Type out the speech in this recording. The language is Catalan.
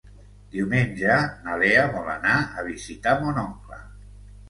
Diumenge na Lea vol anar a visitar mon oncle.